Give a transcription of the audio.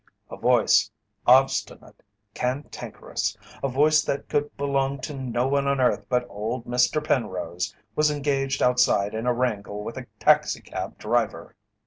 A voice obstinate, cantankerous a voice that could belong to no one on earth but old Mr. Penrose, was engaged outside in a wrangle with a taxi cab driver!